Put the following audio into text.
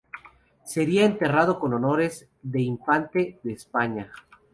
Sería enterrado con honores de Infante de España.